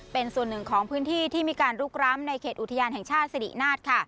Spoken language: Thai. เป็นส่วนหนึ่งของพื้นที่ที่มีการลุกร้ำในเขตอุทยานแห่งชาติสิรินาท